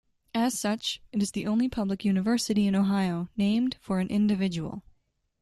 As such, it is the only public university in Ohio named for an individual.